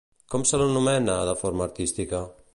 Com se l'anomena de forma artística?